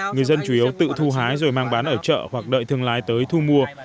người dân chủ yếu tự thu hái rồi mang bán ở chợ hoặc đợi thương lái tới thu mua